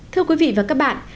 thưa quý vị và các bạn